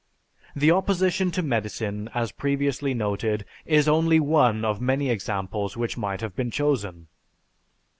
The opposition to medicine, as previously noted, is only one of many examples which might have been chosen.